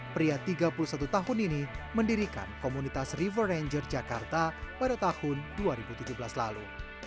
pria tiga puluh satu tahun ini mendirikan komunitas river ranger jakarta pada tahun dua ribu tujuh belas lalu